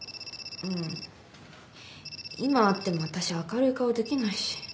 うん今会っても私明るい顔できないし。